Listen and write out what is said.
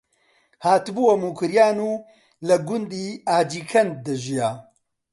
هاتبووە موکریان و لە گوندی ئاجیکەند دەژیا